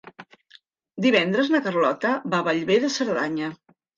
Divendres na Carlota va a Bellver de Cerdanya.